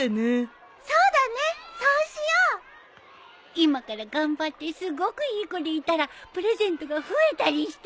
今から頑張ってすごくいい子でいたらプレゼントが増えたりして。